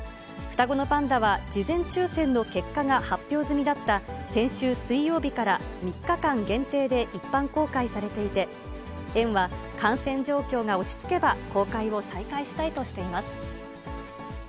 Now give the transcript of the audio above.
双子のパンダは、事前抽せんの結果が発表済みだった、先週水曜日から３日間限定で一般公開されていて、園は、感染状況が落ち着けば、公開を再開したいとしています。